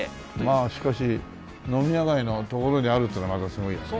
まあしかし飲み屋街の所にあるっていうのがまたすごいよね。